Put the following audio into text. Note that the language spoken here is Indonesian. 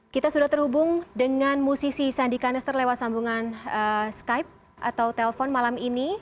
kita sudah terhubung dengan musisi sandi kanester lewat sambungan skype atau telpon malam ini